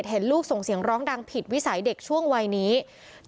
เจ็บเห็นลูกส่งเสียงร้องดังผิดวิสัยเด็กช่วงวัยนี้เขินยังส่งเสียงไม่ันไป